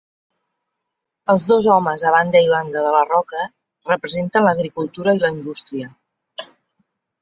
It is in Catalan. Els dos homes a banda i banda de la roca representen l'agricultura i la indústria.